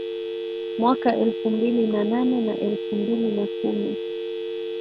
Mwaka elfu mbili na nane na elfu mbili na kumi